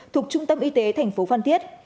thục trung tâm y tế thành phố phan thiết